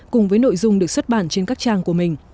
cùng với nội dung được xuất bản trên các trang của mình